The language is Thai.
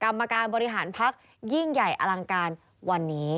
กรรมการบริหารพักยิ่งใหญ่อลังการวันนี้